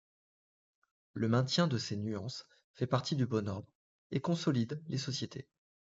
Le maintien de ces nuances fait partie du bon ordre et consolide les sociétés.